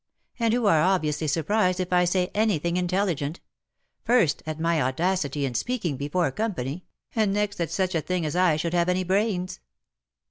^— and who are obviously surprised if I say anything intelligent — first, at my audacity in speak ing before company, and next that such a thing as I should have any brains.